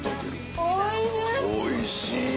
おいしい！